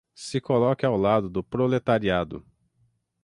se coloque ao lado do proletariado